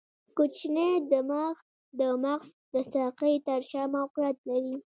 کوچنی دماغ د مغز د ساقې تر شا موقعیت لري.